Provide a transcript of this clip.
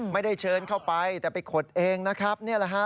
ไม่ได้เชิญเข้าไปแต่ไปขดเองนะครับนี่แหละฮะ